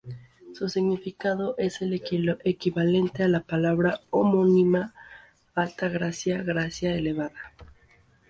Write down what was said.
Su significado es el equivalente a la palabra homónima, "alta gracia, gracia elevada".